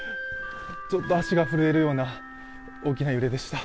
ちょっと足が震えるような大きな揺れでした。